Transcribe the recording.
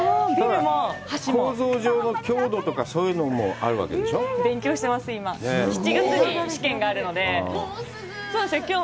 構造上の強度とかそういうのもあるわけでしょう？